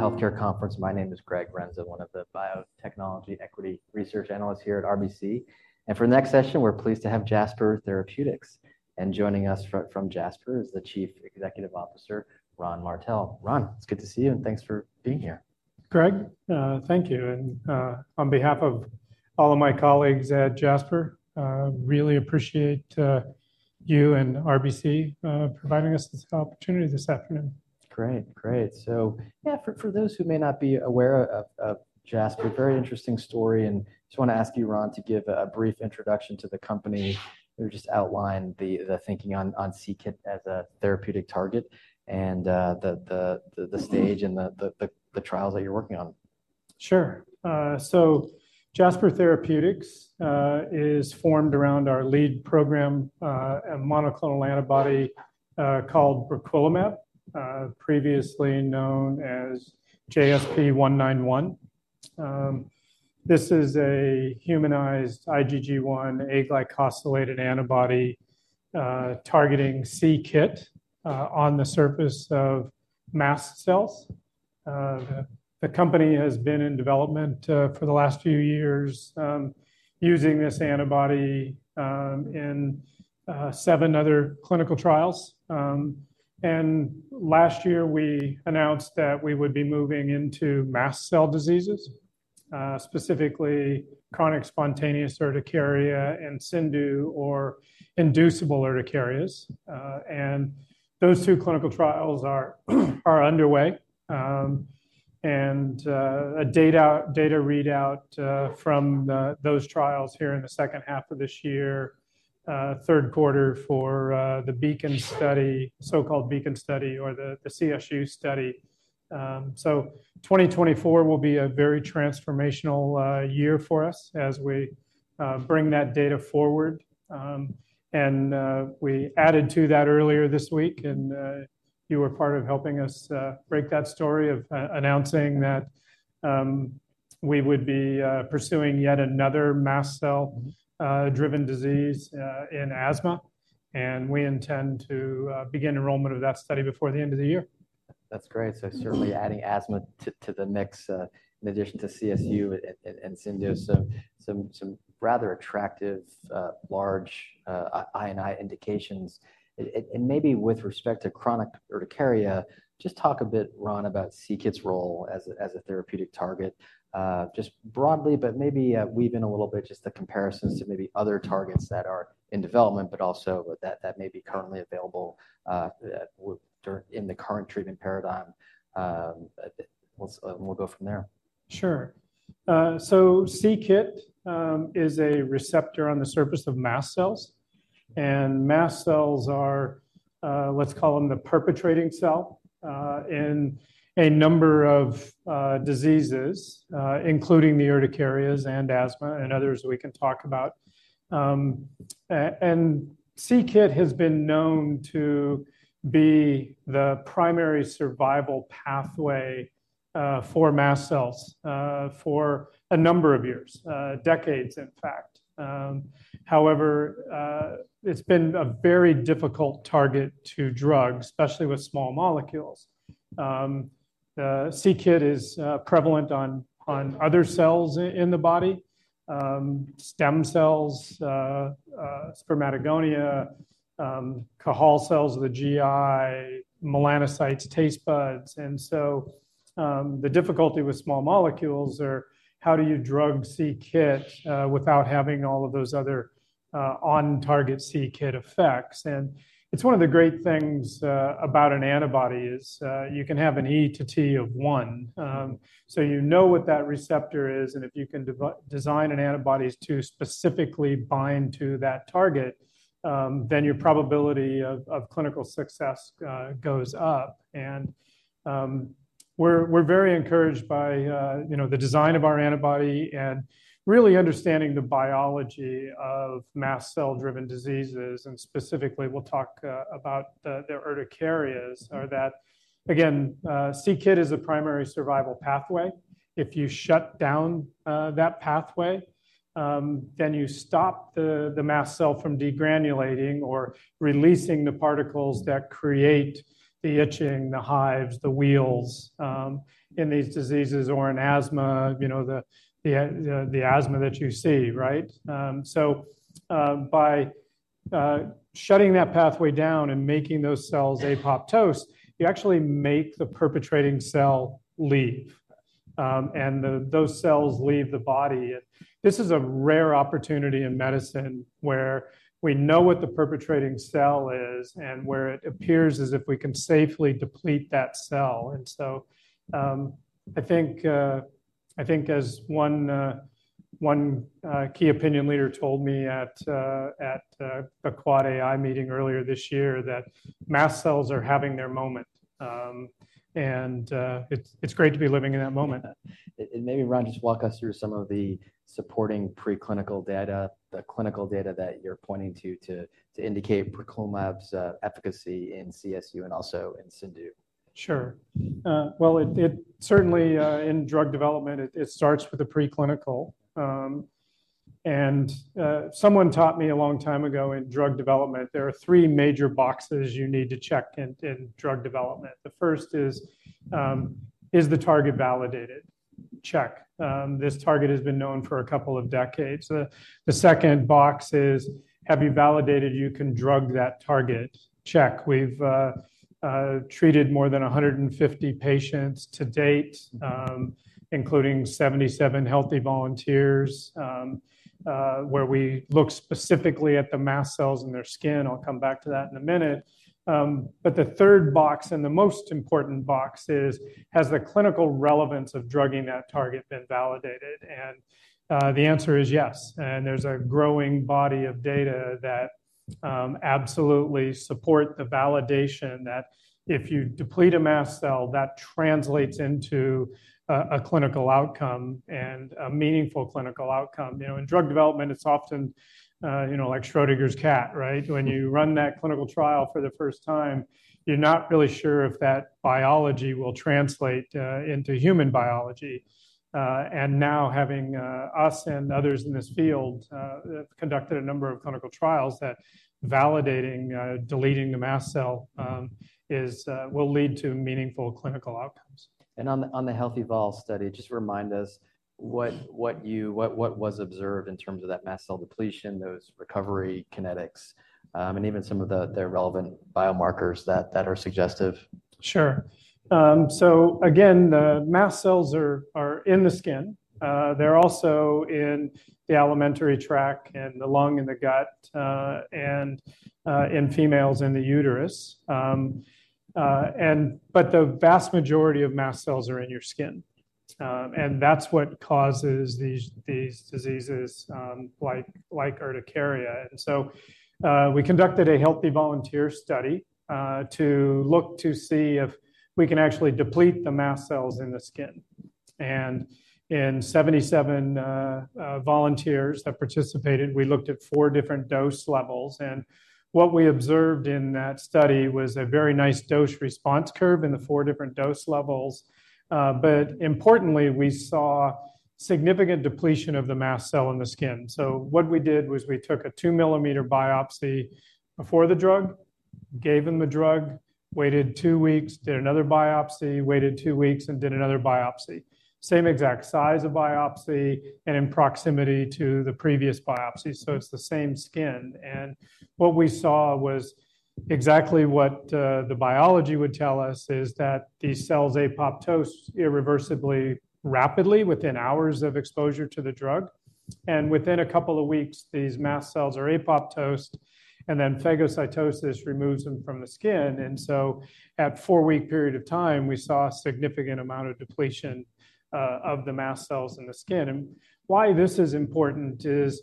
Healthcare Conference. My name is Greg Renza, one of the biotechnology equity research analysts here at RBC. For the next session, we're pleased to have Jasper Therapeutics. Joining us from Jasper is the Chief Executive Officer, Ron Martell. Ron, it's good to see you, and thanks for being here. Greg, thank you. On behalf of all of my colleagues at Jasper, really appreciate you and RBC providing us this opportunity this afternoon. Great. Great. So yeah, for those who may not be aware of Jasper, very interesting story, and just want to ask you, Ron, to give a brief introduction to the company or just outline the thinking on c-Kit as a therapeutic target and the stage and the trials that you're working on. Sure. So Jasper Therapeutics is formed around our lead program, a monoclonal antibody called briquilimab, previously known as JSP-191. This is a humanized IgG1 aglycosylated antibody targeting c-Kit on the surface of mast cells. The company has been in development for the last few years, using this antibody in seven other clinical trials. And last year, we announced that we would be moving into mast cell diseases, specifically chronic spontaneous urticaria and CIndU or inducible urticarias. And those two clinical trials are underway. And a data readout from those trials here in the second half of this year, third quarter for the BEACON study, so-called BEACON study or the CSU study. So 2024 will be a very transformational year for us as we bring that data forward. We added to that earlier this week, and you were part of helping us break that story of announcing that we would be pursuing yet another mast cell driven disease in asthma. We intend to begin enrollment of that study before the end of the year. That's great. So certainly adding asthma to the mix in addition to CSU and CIndU, so some rather attractive large I&I indications. And maybe with respect to chronic urticaria, just talk a bit, Ron, about c-Kit's role as a therapeutic target. Just broadly, but maybe weave in a little bit just the comparisons to maybe other targets that are in development, but also that may be currently available that in the current treatment paradigm. We'll go from there. Sure. So c-Kit is a receptor on the surface of mast cells. And mast cells are, let's call them the perpetrating cell in a number of diseases, including the urticarias and asthma and others we can talk about. And c-Kit has been known to be the primary survival pathway for mast cells for a number of years, decades, in fact. However, it's been a very difficult target to drug, especially with small molecules. c-Kit is prevalent on other cells in the body: stem cells, spermatogonia, Cajal cells of the GI, melanocytes, taste buds. And so, the difficulty with small molecules are how do you drug c-Kit without having all of those other on-target c-Kit effects? It's one of the great things about an antibody is you can have an E to T of one. So you know what that receptor is, and if you can design an antibody to specifically bind to that target, then your probability of clinical success goes up. And we're very encouraged by you know, the design of our antibody and really understanding the biology of mast cell-driven diseases, and specifically, we'll talk about the urticarias or that. Again, c-Kit is a primary survival pathway. If you shut down that pathway, then you stop the mast cell from degranulating or releasing the particles that create the itching, the hives, the wheals in these diseases, or in asthma, you know, the asthma that you see, right? So, by shutting that pathway down and making those cells apoptosis, you actually make the perpetrating cell leave, and those cells leave the body. This is a rare opportunity in medicine where we know what the perpetrating cell is and where it appears as if we can safely deplete that cell. So, I think as one key opinion leader told me at a QuadAI meeting earlier this year, that mast cells are having their moment. And it's great to be living in that moment. Maybe, Ron, just walk us through some of the supporting preclinical data, the clinical data that you're pointing to, to indicate briquilimab's efficacy in CSU and also in CIndU. Sure. Well, it certainly in drug development, it starts with the preclinical. And someone taught me a long time ago in drug development, there are three major boxes you need to check in drug development. The first is, is the target validated? Check. This target has been known for a couple of decades. The second box is, have you validated you can drug that target? Check. We've treated more than 150 patients to date, including 77 healthy volunteers, where we look specifically at the mast cells in their skin. I'll come back to that in a minute. But the third box, and the most important box is, has the clinical relevance of drugging that target been validated? And the answer is yes. There's a growing body of data that absolutely support the validation that if you deplete a mast cell, that translates into a clinical outcome and a meaningful clinical outcome. You know, in drug development, it's often you know, like Schrödinger's cat, right? When you run that clinical trial for the first time, you're not really sure if that biology will translate into human biology. And now, having us and others in this field have conducted a number of clinical trials that validating deleting the mast cell is will lead to meaningful clinical outcomes. And on the healthy volunteer study, just remind us what was observed in terms of that mast cell depletion, those recovery kinetics, and even some of the relevant biomarkers that are suggestive. Sure. So again, the mast cells are, are in the skin. They're also in the alimentary tract and the lung and the gut, and, in females, in the uterus. And but the vast majority of mast cells are in your skin, and that's what causes these, these diseases, like, like urticaria. And so, we conducted a healthy volunteer study, to look to see if we can actually deplete the mast cells in the skin. And in 77, volunteers that participated, we looked at four different dose levels, and what we observed in that study was a very nice dose-response curve in the four different dose levels. But importantly, we saw significant depletion of the mast cell in the skin. So what we did was we took a 2-mm biopsy before the drug, gave them the drug, waited two weeks, did another biopsy, waited two weeks, and did another biopsy. Same exact size of biopsy and in proximity to the previous biopsy, so it's the same skin. And what we saw was exactly what the biology would tell us, is that these cells apoptosis irreversibly, rapidly, within hours of exposure to the drug, and within a couple of weeks, these mast cells are apoptosis, and then phagocytosis removes them from the skin. And so at four-week period of time, we saw a significant amount of depletion of the mast cells in the skin. And why this is important is,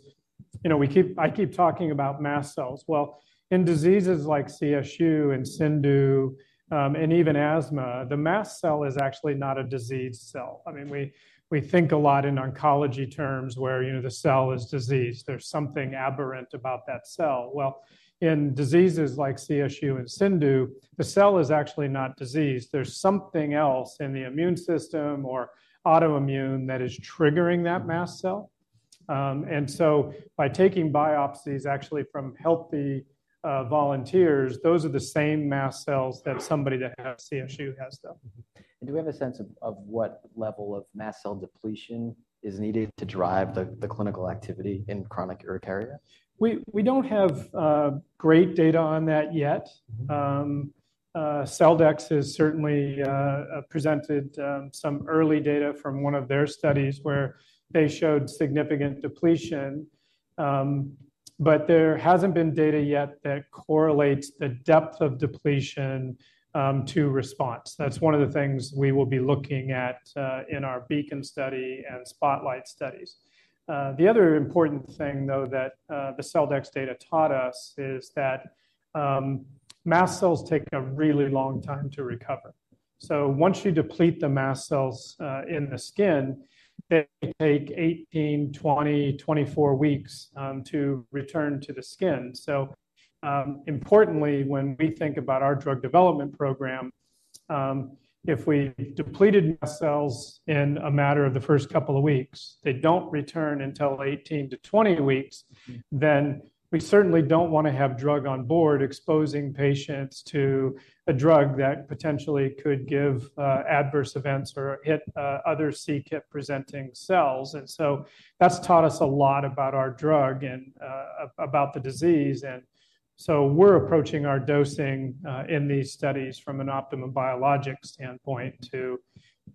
you know, I keep talking about mast cells. Well, in diseases like CSU and CIndU, and even asthma, the mast cell is actually not a diseased cell. I mean, we, we think a lot in oncology terms, where, you know, the cell is diseased. There's something aberrant about that cell. Well, in diseases like CSU and CIndU, the cell is actually not diseased. There's something else in the immune system or autoimmune that is triggering that mast cell. And so by taking biopsies, actually from healthy volunteers, those are the same mast cells that somebody that has CSU has, though. Mm-hmm. And do we have a sense of what level of mast cell depletion is needed to drive the clinical activity in chronic urticaria? We don't have great data on that yet. Mm-hmm. Celldex has certainly presented some early data from one of their studies where they showed significant depletion. But there hasn't been data yet that correlates the depth of depletion to response. That's one of the things we will be looking at in our BEACON study and SPOTLIGHT studies. The other important thing, though, that the Celldex data taught us is that mast cells take a really long time to recover. So once you deplete the mast cells in the skin, they take 18, 20, 24 weeks to return to the skin. So, importantly, when we think about our drug development program, if we depleted mast cells in a matter of the first couple of weeks, they don't return until 18-20 weeks. Mm-hmm. Then we certainly don't want to have drug on board, exposing patients to a drug that potentially could give adverse events or hit other c-Kit-presenting cells. And so that's taught us a lot about our drug and about the disease. And so we're approaching our dosing in these studies from an optimum biologic standpoint, to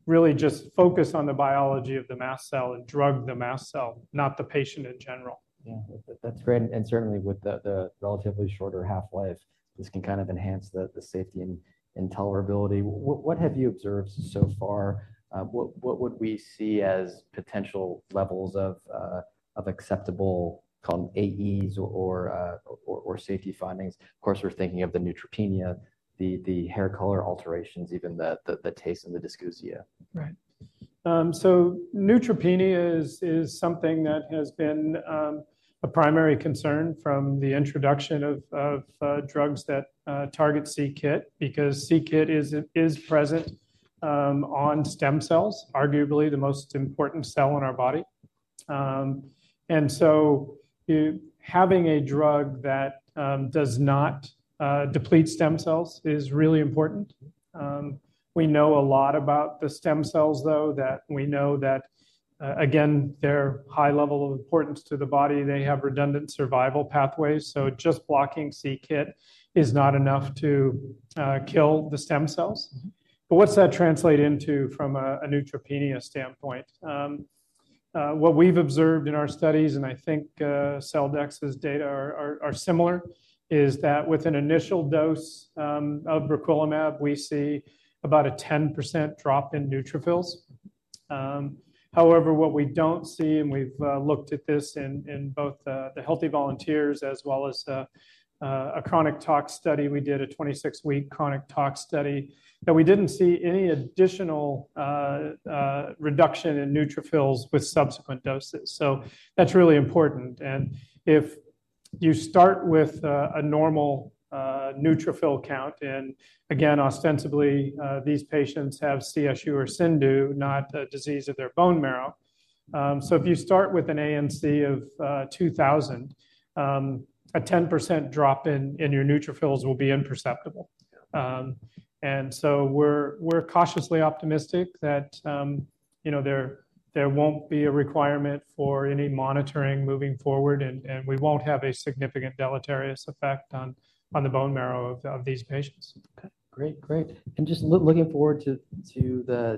really just focus on the biology of the mast cell and drug the mast cell, not the patient in general. Yeah, that's great, and certainly with the relatively shorter half-life, this can kind of enhance the safety and tolerability. What have you observed so far? What would we see as potential levels of acceptable, call them AEs or safety findings? Of course, we're thinking of the neutropenia, the hair color alterations, even the taste and the dysgeusia. Right. So neutropenia is something that has been a primary concern from the introduction of drugs that target c-Kit, because c-Kit is present on stem cells, arguably the most important cell in our body. And so you having a drug that does not deplete stem cells is really important. We know a lot about the stem cells, though, we know that again, they're high level of importance to the body. They have redundant survival pathways, so just blocking c-Kit is not enough to kill the stem cells. But what's that translate into from a neutropenia standpoint? What we've observed in our studies, and I think Celldex's data are similar, is that with an initial dose of briquilimab, we see about a 10% drop in neutrophils. However, what we don't see, and we've looked at this in both the healthy volunteers as well as a chronic tox study, we did a 26-week chronic tox study, that we didn't see any additional reduction in neutrophils with subsequent doses. So that's really important. And if you start with a normal neutrophil count, and again, ostensibly these patients have CSU or CIndU, not a disease of their bone marrow. So if you start with an ANC of 2,000, a 10% drop in your neutrophils will be imperceptible. And so we're cautiously optimistic that you know there won't be a requirement for any monitoring moving forward, and we won't have a significant deleterious effect on the bone marrow of these patients. Okay, great, great. Just looking forward to the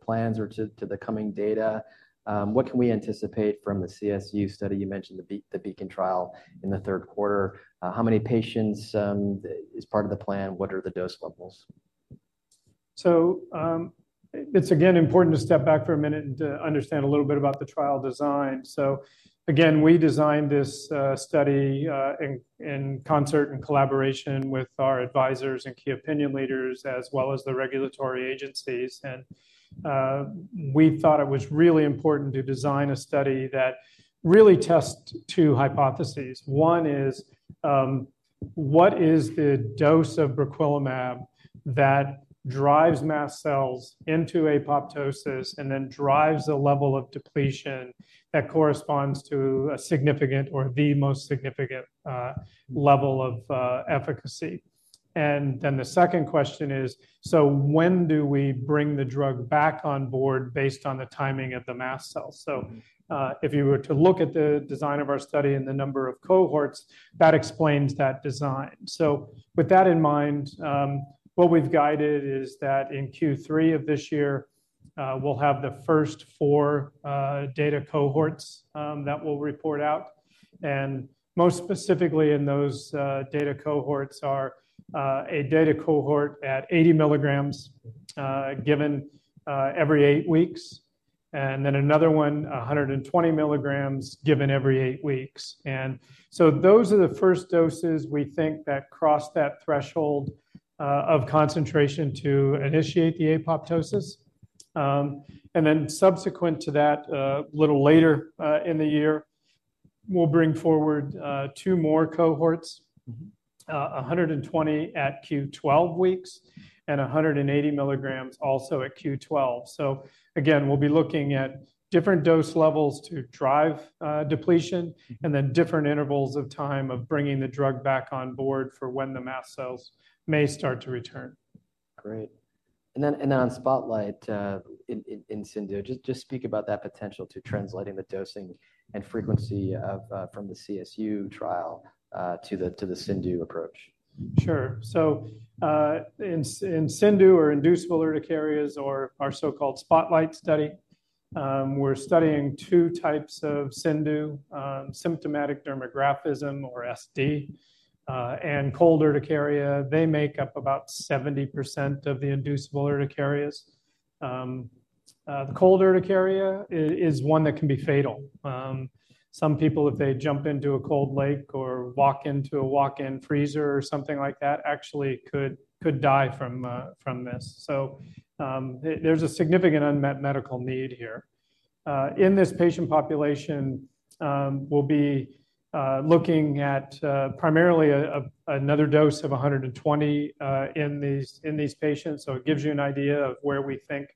plans or to the coming data, what can we anticipate from the CSU study? You mentioned the Beacon trial in the third quarter. How many patients is part of the plan? What are the dose levels? So, it's again, important to step back for a minute and to understand a little bit about the trial design. So again, we designed this study in concert and collaboration with our advisors and key opinion leaders, as well as the regulatory agencies. We thought it was really important to design a study that really test two hypotheses. One is, what is the dose of briquilimab that drives mast cells into apoptosis and then drives the level of depletion that corresponds to a significant or the most significant level of efficacy? And then the second question is, so when do we bring the drug back on board based on the timing of the mast cells? If you were to look at the design of our study and the number of cohorts, that explains that design. So with that in mind, what we've guided is that in Q3 of this year, we'll have the first four data cohorts that we'll report out. And most specifically in those data cohorts are a data cohort at 80 mg given every eight weeks, and then another one, 120 mg, given every eight weeks. And so those are the first doses we think that cross that threshold of concentration to initiate the apoptosis. And then subsequent to that, a little later in the year, we'll bring forward two more cohorts, 120 mg at Q12 weeks and 180 mg also at Q12. Again, we'll be looking at different dose levels to drive depletion and then different intervals of time of bringing the drug back on board for when the mast cells may start to return. Great. Then on SPOTLIGHT in CIndU, just speak about that potential to translating the dosing and frequency of from the CSU trial to the CIndU approach. Sure. So, in CIndU, or inducible urticarias, or our so-called SPOTLIGHT study, we're studying two types of CIndU, symptomatic dermographism, or SD, and cold urticaria. They make up about 70% of the inducible urticarias. The cold urticaria is one that can be fatal. Some people, if they jump into a cold lake or walk into a walk-in freezer or something like that, actually could, could die from this. So, there's a significant unmet medical need here. In this patient population, we'll be looking at primarily another dose of 120 mg in these patients. So it gives you an idea of where we think,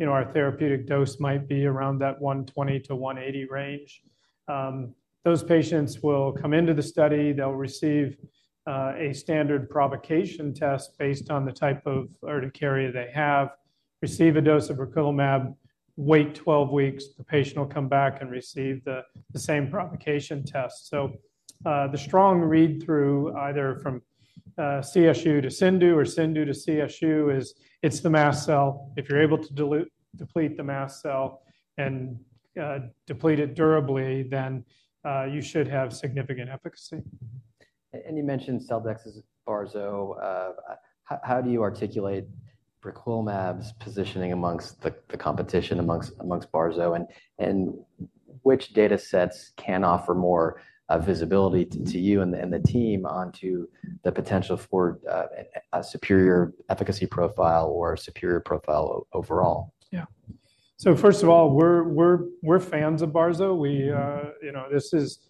you know, our therapeutic dose might be, around that 120 mg-180 mg range. Those patients will come into the study, they'll receive a standard provocation test based on the type of urticaria they have, receive a dose of briquilimab, wait 12 weeks, the patient will come back and receive the same provocation test. So, the strong read-through, either from CSU to CIndU or CIndU to CSU, is it's the mast cell. If you're able to deplete the mast cell and deplete it durably, then you should have significant efficacy. You mentioned Celldex's Barzo. How do you articulate briquilimab's positioning amongst the competition, amongst Barzo, and which data sets can offer more visibility to you and the team onto the potential for a superior efficacy profile or superior profile overall? Yeah. So first of all, we're fans of Barzo. We, you know, this is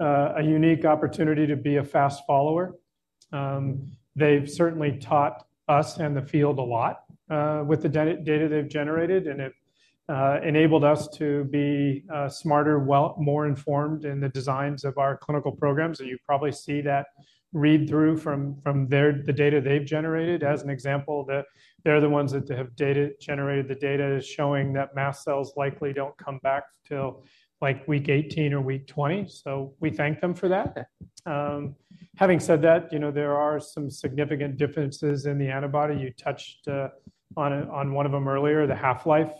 a unique opportunity to be a fast follower. They've certainly taught us and the field a lot with the data they've generated, and it enabled us to be smarter, well, more informed in the designs of our clinical programs. And you probably see that read through from their data as an example, that they're the ones that have generated the data, showing that mast cells likely don't come back till, like, week 18 or week 20. So we thank them for that. Having said that, you know, there are some significant differences in the antibody. You touched on one of them earlier, the half-life.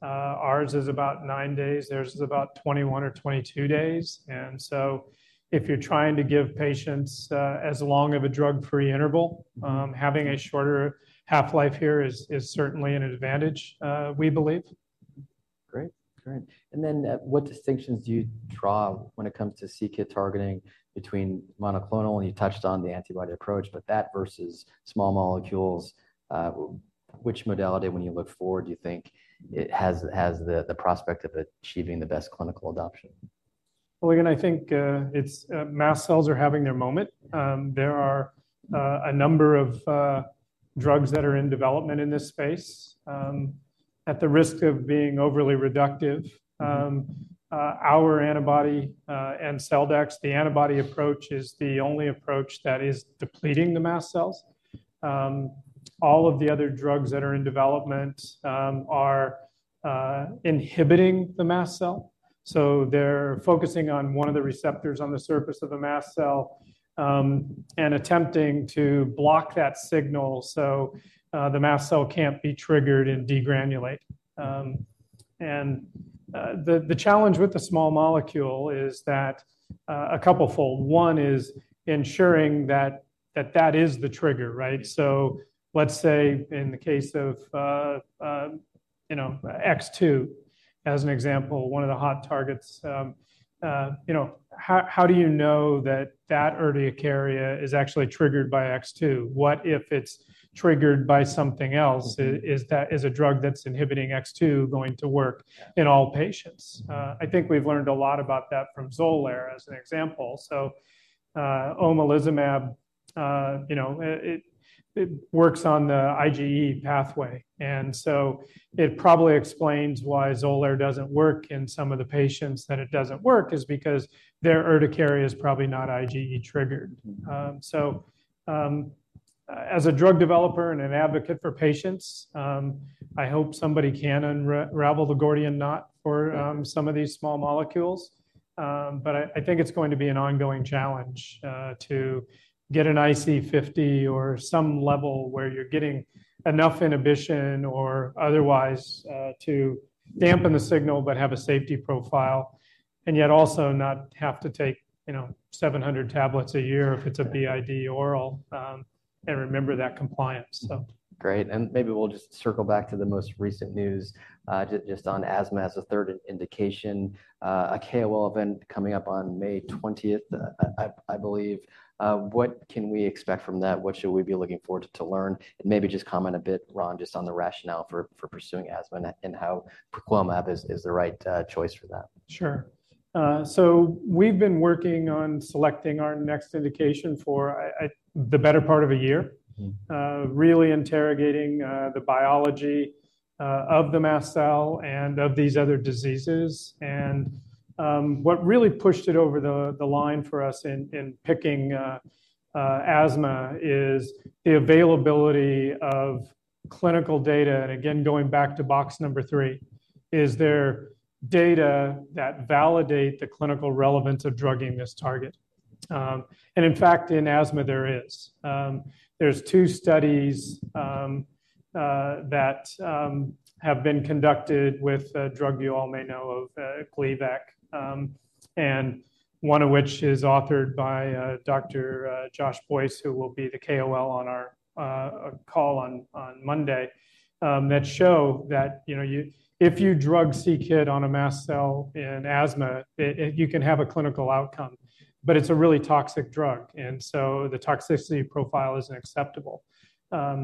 Ours is about 9 days, theirs is about 21 days or 22 days. So if you're trying to give patients as long of a drug-free interval, having a shorter half-life here is certainly an advantage, we believe. Great. Great. And then, what distinctions do you draw when it comes to c-Kit targeting between monoclonal? You touched on the antibody approach, but that versus small molecules, which modality, when you look forward, do you think it has the prospect of achieving the best clinical adoption? Well, again, I think, it's, mast cells are having their moment. There are a number of drugs that are in development in this space. At the risk of being overly reductive, our antibody, and Celldex, the antibody approach is the only approach that is depleting the mast cells. All of the other drugs that are in development are inhibiting the mast cell. So they're focusing on one of the receptors on the surface of the mast cell, and attempting to block that signal so, the mast cell can't be triggered and degranulate. And the challenge with the small molecule is that a couplefold. One is ensuring that that is the trigger, right? So let's say in the case of, you know, X2, as an example, one of the hot targets, you know, how do you know that that urticaria is actually triggered by X2? What if it's triggered by something else? Is that, as a drug that's inhibiting X2, going to work in all patients? I think we've learned a lot about that from Xolair, as an example. So, omalizumab, you know, it works on the IgE pathway, and so it probably explains why Xolair doesn't work in some of the patients, that it doesn't work is because their urticaria is probably not IgE triggered. So, as a drug developer and an advocate for patients, I hope somebody can unravel the Gordian Knot for some of these small molecules. But I think it's going to be an ongoing challenge to get an IC50 or some level where you're getting enough inhibition or otherwise to dampen the signal, but have a safety profile, and yet also not have to take, you know, 700 tablets a year if it's a BID oral, and remember that compliance, so. Great, and maybe we'll just circle back to the most recent news, just on asthma as a third indication. A KOL event coming up on May 20th, I believe. What can we expect from that? What should we be looking forward to learn? And maybe just comment a bit, Ron, just on the rationale for pursuing asthma and how briquilimab is the right choice for that. Sure. So we've been working on selecting our next indication for the better part of a year- Mm-hmm. Really interrogating the biology of the mast cell and of these other diseases. And what really pushed it over the line for us in picking asthma is the availability of clinical data. And again, going back to box number three, is there data that validate the clinical relevance of drugging this target? And in fact, in asthma, there is. There's two studies that have been conducted with a drug you all may know of, Gleevec, and one of which is authored by Dr. Josh Boyce, who will be the KOL on our call on Monday, that shows that, you know, you—if you drug c-Kit on a mast cell in asthma, it, it, you can have a clinical outcome, but it's a really toxic drug, and so the toxicity profile isn't acceptable.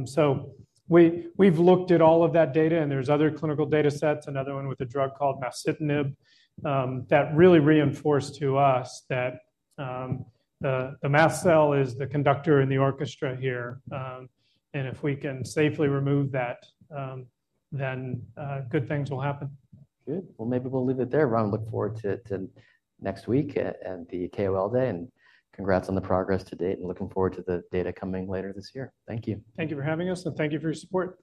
So we've looked at all of that data, and there's other clinical data sets, another one with a drug called masitinib, that really reinforced to us that the mast cell is the conductor in the orchestra here. And if we can safely remove that, then good things will happen. Good. Well, maybe we'll leave it there, Ron. Look forward to next week and the KOL event, and congrats on the progress to date, and looking forward to the data coming later this year. Thank you. Thank you for having us, and thank you for your support.